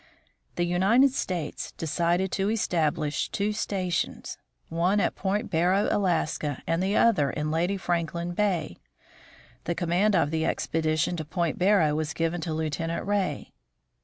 The United States decided to establish two stations, one at Point Barrow, Alaska, and the other in Lady Franklin bay. The command of the expedition to Point Barrow was given to Lieutenant Ray.